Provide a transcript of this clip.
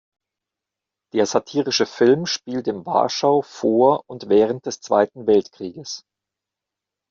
Der satirische Film spielt im Warschau vor und während des Zweiten Weltkrieges.